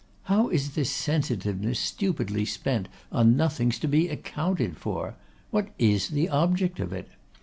How is this sensitiveness stupidly spent on nothings to be accounted for? what is the object of it?